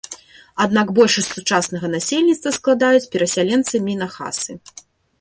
Аднак большасць сучаснага насельніцтва складаюць перасяленцы-мінахасы.